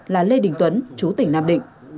là lê đình tuấn chú tỉnh nam định